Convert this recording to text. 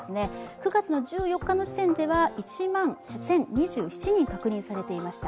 ９月の１４日の時点では、１万１０２７人確認されていました。